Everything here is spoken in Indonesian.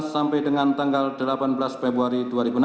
sampai dengan tanggal delapan belas februari dua ribu enam belas